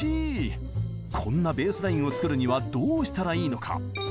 こんなベースラインを作るにはどうしたらいいのか。